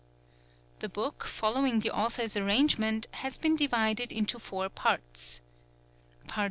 The book, following the author's arrangement, has been divided into four parts' Part I.